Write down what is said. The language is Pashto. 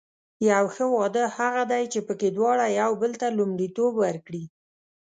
یو ښه واده هغه دی چې پکې دواړه یو بل ته لومړیتوب ورکړي.